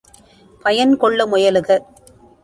பயன் கொள்ள முயலுக.